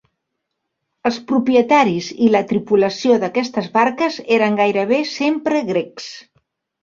Els propietaris i la tripulació d'aquestes barques eren gairebé sempre grecs.